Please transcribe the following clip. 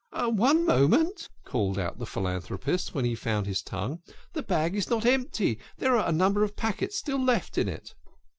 "One moment," called out the philanthropist, when he found his tongue. "The bag is not empty there are a number of packets still left in it."